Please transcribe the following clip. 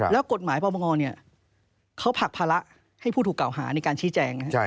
แล้วกฎหมายปปงเขาผลักภาระให้ผู้ถูกเก่าหาในการชี้แจง